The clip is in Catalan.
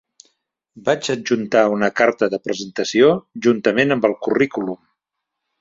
Vaig adjuntar una carta de presentació juntament amb el currículum.